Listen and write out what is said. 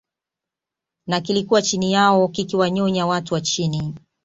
na kilikuwa chini yao kikiwanyonya watu wa chini